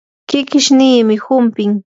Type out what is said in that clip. kikishniimi humpin.